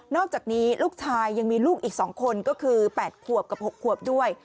อกจากนี้ลูกชายยังมีลูกอีก๒คนก็คือ๘ขวบกับ๖ขวบด้วย